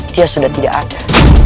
dia sudah tidak ada